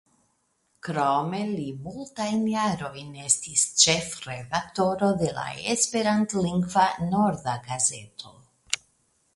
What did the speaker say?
Krome li multajn jarojn estis ĉefredaktoro de la esperantlingva «Norda Gazeto».